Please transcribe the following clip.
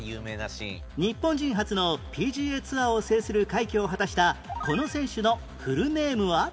日本人初の ＰＧＡ ツアーを制する快挙を果たしたこの選手のフルネームは？